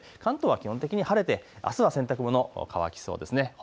関東は基本的に晴れてあすは洗濯物乾きそうです。